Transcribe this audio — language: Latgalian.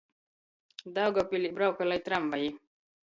Daugovpiļī braukalej tramvaji.